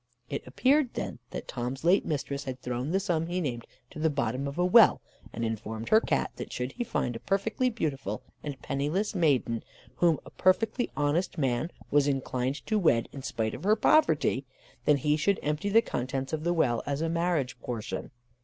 It appeared then, that Tom's late mistress had thrown the sum he named to the bottom of a well, and informed her Cat that 'should he find a perfectly beautiful and a penniless maiden, whom a perfectly honest man was inclined to wed in spite of her poverty, then he should empty the contents of the well as a marriage portion.